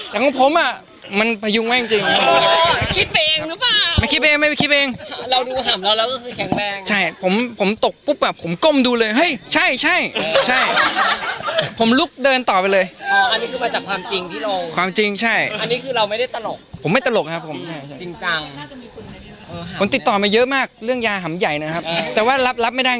ชอบผู้หญิงแก่ครับ